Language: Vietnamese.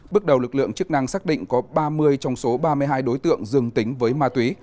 bước đầu lực lượng chức năng xác định có ba mươi trong số ba mươi hai đối tượng dương tính với ma túy